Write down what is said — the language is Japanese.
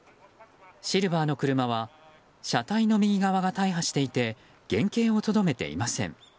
シルバーの車は車体の右側が大破していて原形をとどめていません。